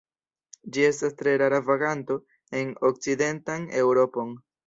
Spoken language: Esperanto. Ĝi estas tre rara vaganto en okcidentan Eŭropon.